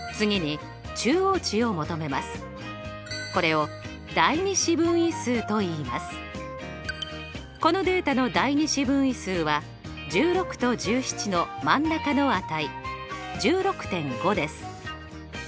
このデータの第２四分位数は１６と１７の真ん中の値１６．５です。